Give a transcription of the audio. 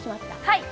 はい！